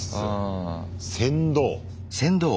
船頭。